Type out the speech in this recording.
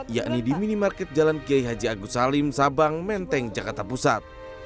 yakni di minimarket jalan kiai haji agus salim sabang menteng jakarta pusat